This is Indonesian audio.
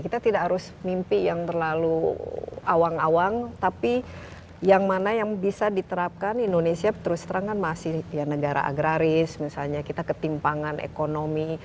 kita tidak harus mimpi yang terlalu awang awang tapi yang mana yang bisa diterapkan indonesia terus terang kan masih ya negara agraris misalnya kita ketimpangan ekonomi